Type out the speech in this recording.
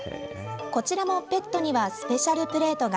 こちらもペットにはスペシャルプレートが。